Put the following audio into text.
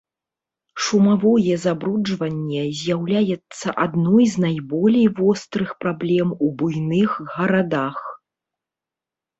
Шумавое забруджванне з'яўляецца адной з найболей вострых праблем у буйных гарадах.